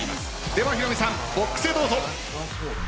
ではヒロミさんボックスへどうぞ。